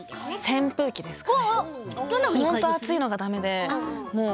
扇風機ですね。